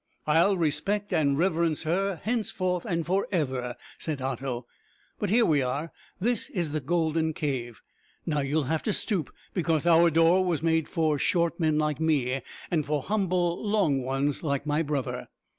"I'll respect and reverence her henceforth and for ever," said Otto. "But here we are this is the golden cave. Now you'll have to stoop, because our door was made for short men like me and for humble long ones like my brother."